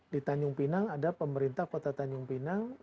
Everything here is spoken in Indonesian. di tanjung pinang ada pemerintah kota tanjung pinang